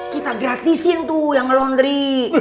kita gratisin tuh yang nge laundry